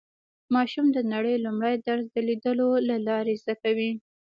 ماشوم د نړۍ لومړی درس د لیدلو له لارې زده کوي